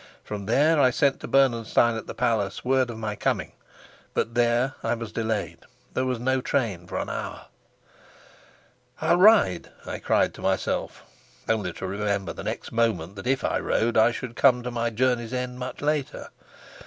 From there I sent to Bernenstein at the palace word of my coming. But there I was delayed. There was no train for an hour. "I'll ride," I cried to myself, only to remember the next moment that, if I rode, I should come to my journey's end much later.